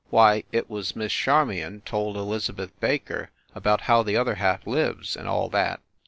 Why, it was Miss Charmion told Elizabeth Baker about How the Other Half Lives and all that.